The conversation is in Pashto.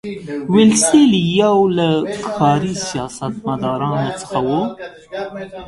ویلسلي یو له کاري سیاستمدارانو څخه وو.